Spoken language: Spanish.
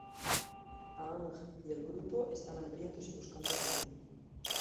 Aang y el grupo están hambrientos y buscando comida.